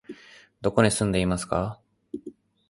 どこに住んでいますか？